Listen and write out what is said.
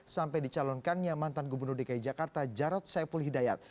sampai dicalonkannya mantan gubernur dki jakarta jarod saiful hidayat